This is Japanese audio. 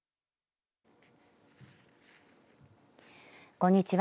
こんにちは。